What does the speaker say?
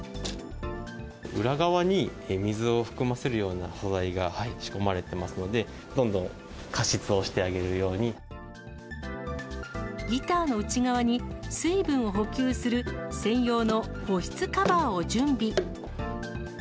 裏側に水を含ませるような素材が仕込まれてますので、ギターの内側に、水分を補給する専用の保湿カバーを準備。